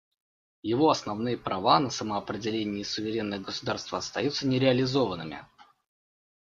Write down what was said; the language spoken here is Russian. Его основные права на самоопределение и суверенное государство остаются нереализованными.